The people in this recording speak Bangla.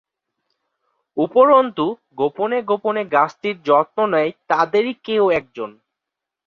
উপরন্তু, গোপনে গোপনে গাছটির যত্ন নেয় তাদেরই কেউ এক জন।